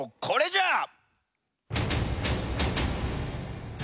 これじゃ！